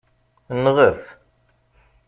Nɣet!